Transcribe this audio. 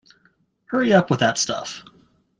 Hurry up with that stuff.